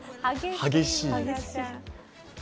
激しい。